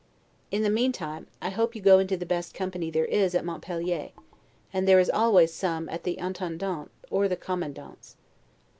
In the meantime, I hope you go into the best company there is at Montpelier; and there always is some at the Intendant's, or the Commandant's.